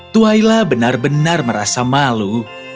twaila benar benar merasa malu